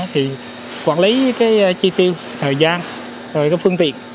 thì quản lý chi tiêu thời gian phương tiện